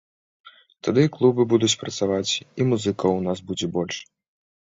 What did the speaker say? Тады і клубы будуць працаваць, і музыкаў у нас будзе больш.